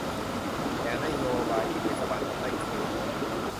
แนวนโยบายที่เทศบาลทำได้คือ